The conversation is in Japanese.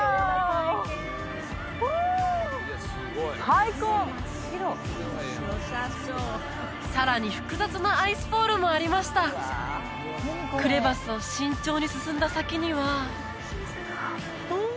最高さらに複雑なアイスフォールもありましたクレバスを慎重に進んだ先にはうお！